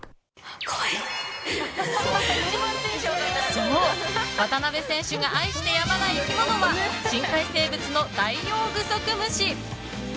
そう、渡辺選手が愛してやまない生き物は深海生物のダイオウグソクムシ。